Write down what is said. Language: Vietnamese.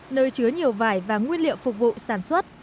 nơi chứa nhiều vải và nguyên liệu phục vụ sản xuất